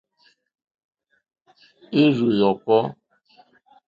Ìrzù yɔ̀kɔ́.